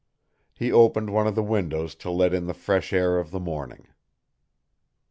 He opened one of the windows to let in the fresh air of the morning.